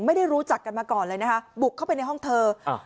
ไม่ได้รู้จักกันมาก่อนเลยนะคะบุกเข้าไปในห้องเธออ้าว